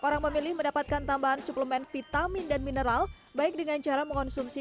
orang memilih mendapatkan tambahan suplemen vitamin dan mineral baik dengan cara mengonsumsi